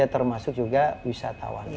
termasuk juga wisatawan